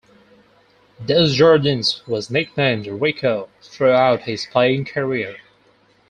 Desjardins was nicknamed Rico throughout his playing career.